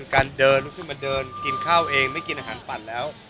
การเดินลุกขึ้นมาเดินกินข้าวเองไม่กินอาหารปั่นแล้ว